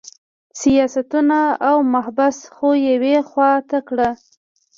سیاستونه او مباحث خو یوې خوا ته کړه.